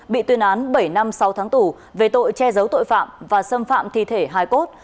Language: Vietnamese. bị tuyên án bảy năm sáu tháng tù về tội che giấu tội phạm và xâm phạm thi thể hai cốt